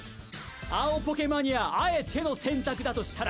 青ポケマニアあえての選択だとしたら？